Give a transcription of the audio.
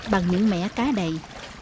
bằng những mẻ cá đầy